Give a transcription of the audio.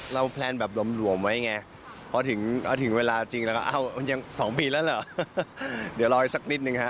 เราพแลนแบบร่มไว้ไงเพราะถึงเวลาจริงละก้อนราคาอาวยัง๒ปีแล้วเหรอเดี๋ยวรออีกสักนิดนึงค่ะ